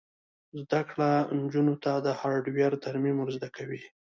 زده کړه نجونو ته د هارډویر ترمیم ور زده کوي.